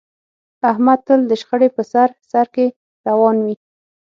احمد تل د شخړې په سر سرکې روان وي.